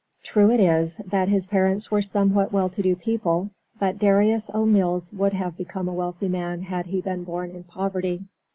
True, it is, that his parents were somewhat well to do people, but Darius O. Mills would have become a wealthy man had he been born in poverty.